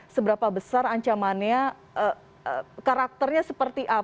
seberapa besar ancamannya karakternya seperti apa